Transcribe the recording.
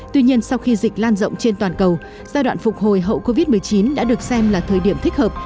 tuy nhiên sau khi dịch lan rộng trên toàn cầu giai đoạn phục hồi hậu covid một mươi chín đã được xem là thời điểm thích hợp